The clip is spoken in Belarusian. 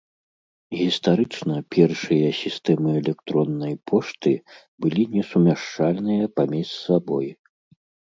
Гістарычна першыя сістэмы электроннай пошты былі несумяшчальныя паміж сабой.